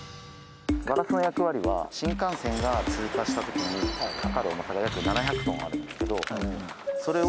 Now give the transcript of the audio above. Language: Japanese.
新幹線が通過した時にかかる重さが約７００トンあるんですけどそれを。